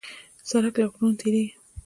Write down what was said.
سړک له غرونو تېرېږي.